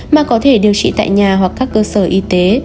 mà có thể điều trị tại nhà hoặc các cơ sở y tế